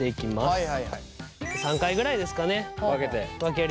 はい。